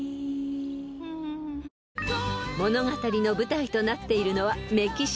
［物語の舞台となっているのはメキシコ］